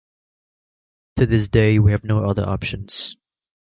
To this day, we have no other options.